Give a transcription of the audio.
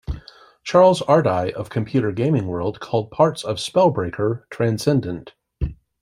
Charles Ardai of "Computer Gaming World" called parts of "Spellbreaker" "transcendent".